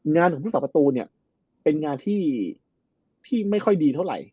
งานของผู้สาประตูเนี่ยเป็นงานที่ไม่ค่อยดีเท่าไหร่